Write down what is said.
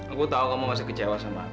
aku tahu kamu masih kecewa sama aku